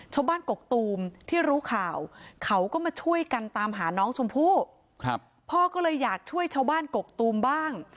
กกตูมที่รู้ข่าวเขาก็มาช่วยกันตามหาน้องชมพู่ครับพ่อก็เลยอยากช่วยชาวบ้านกกตูมบ้าง